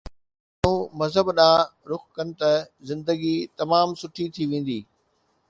جيڪڏهن اهي ماڻهو مذهب ڏانهن رخ ڪن ته زندگي تمام سٺي ٿي ويندي